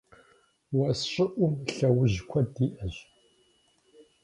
Уэс щӀыӀум лъэужь куэд иӀэщ.